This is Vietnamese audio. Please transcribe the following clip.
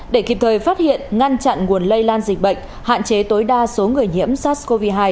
để kịp thời phát hiện ngăn chặn nguồn lây lan dịch bệnh hạn chế tối đa số người nhiễm sars cov hai